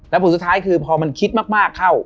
แล้วผลสุดท้ายคือพอมันคิดมากเข้า